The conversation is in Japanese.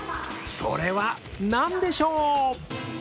それは何でしょう？